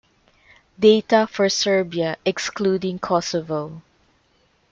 Data for Serbia excluding Kosovo.